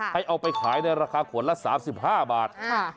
ให้เอาไปขายในราคาขวดละ๓๕บาท